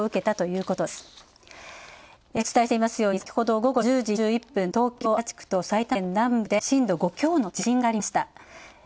お伝えしていますように、先ほど午後１０時４１分、東京・足立区と埼玉県南部で震度５強の地震がありました。